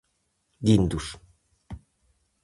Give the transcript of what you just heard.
Guindos.